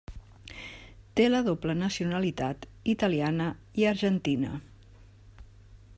Té la doble nacionalitat italiana i argentina.